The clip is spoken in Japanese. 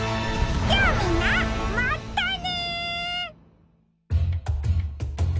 じゃあみんなまったね！